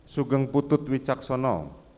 sugeng putut wicaksono